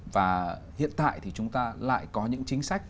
và hiện tại thì chúng ta lại có những chính sách